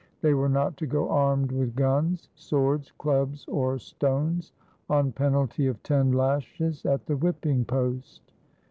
They were not to go armed with guns, swords, clubs, or stones on penalty of ten lashes at the whipping post.